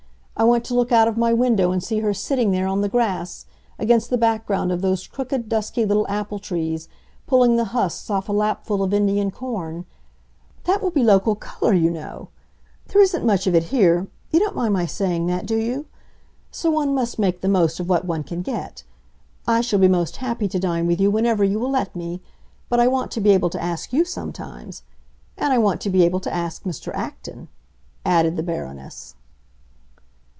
I want to look out of my window and see her sitting there on the grass, against the background of those crooked, dusky little apple trees, pulling the husks off a lapful of Indian corn. That will be local color, you know. There isn't much of it here—you don't mind my saying that, do you?—so one must make the most of what one can get. I shall be most happy to dine with you whenever you will let me; but I want to be able to ask you sometimes. And I want to be able to ask Mr. Acton," added the Baroness.